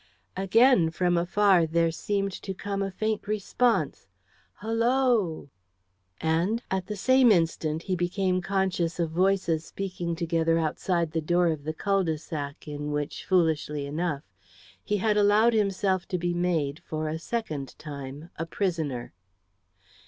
Again, from afar, there seemed to come the faint response "Hollo!" And at the same instant he became conscious of voices speaking together outside the door of the cul de sac in which, foolishly enough, he had allowed himself to be made, for a second time, a prisoner.